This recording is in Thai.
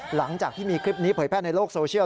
หลังจากที่มีคลิปนี้เผยแพร่ในโลกโซเชียล